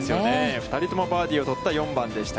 ２人ともバーディーを取った４番でした。